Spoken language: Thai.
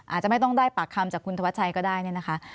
อาจจะไม่ต้องได้ปากคำจากคุณธวัชชัยก็ได้เนี่ยนะคะ